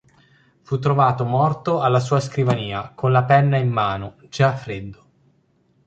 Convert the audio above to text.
Fu trovato morto alla sua scrivania, con la penna in mano, già freddo.